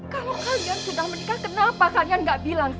kalau kalian sudah menikah kenapa kalian nggak bilang